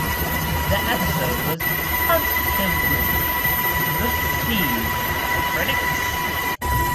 The episode was positively received by critics.